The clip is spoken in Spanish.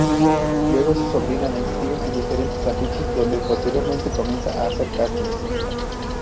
Luego su sobrina la inscribe en diferentes afiches donde posteriormente comienza a hacer castings.